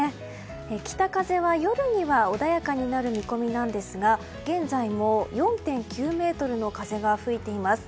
北風は夜には穏やかになる見込みなんですが現在も４．９メートルの風が吹いています。